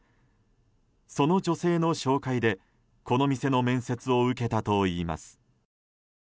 その女性の紹介でこの店の面接を受けたといいます。